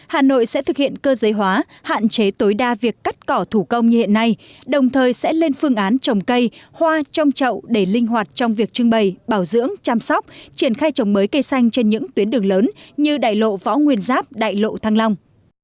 hà nội sẽ thực hiện cơ giới hóa hạn chế tối đa việc cắt cỏ thủ công như hiện nay đồng thời sẽ lên phương án trồng cây hoa trong trậu để linh hoạt trong việc trưng bày bảo dưỡng chăm sóc triển khai trồng mới cây xanh trên những tuyến đường lớn như đại lộ võ nguyên giáp đại lộ thăng long